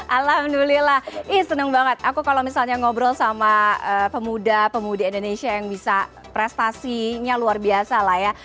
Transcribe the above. alhamdulillah ih senang banget aku kalau misalnya ngobrol sama pemuda pemudi indonesia yang bisa prestasinya luar biasa lah ya